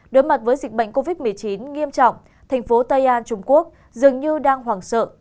đối mặt với dịch bệnh covid một mươi chín nghiêm trọng thành phố tây an trung quốc dường như đang hoảng sợ